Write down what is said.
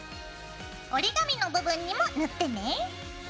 折り紙の部分にも塗ってね。